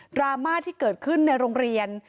ราม่าที่เกิดขึ้นในโรงเรียน